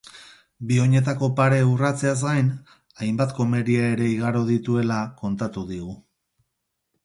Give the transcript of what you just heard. Bi oinetako pare urratzeaz gain, hainbat komeria ere igaro dituela kontatu digu.